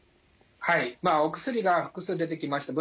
はいまあお薬が複数出てきました。